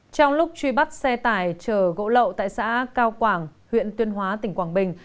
trong lúc truy bắt xe tải chở gỗ lậu tại xã cao quảng huyện tuyên hóa tỉnh quảng bình